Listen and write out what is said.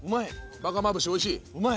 バカまぶしおいしい？